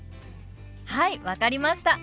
はい分かりました。